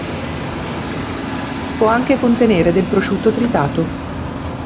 Può anche contenere del prosciutto tritato.